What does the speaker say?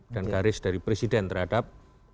dan garis dari presiden terhadap